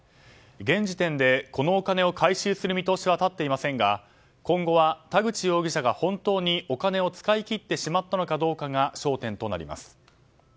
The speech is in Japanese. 現時点でこのお金を回収する見通しは立っていませんが今後は田口容疑者が本当にお金を使い切ってしまったのかどうかが焦点となります。